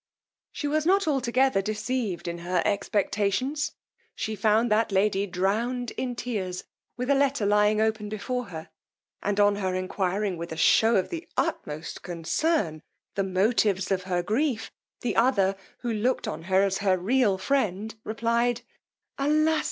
She was not altogether deceived in her expectations: she found that lady drowned in tears, with a letter lying open before her; and on her enquiring, with a shew of the utmost concern, the motives of her grief, the other, who looked on her as her real friend, replied, alas!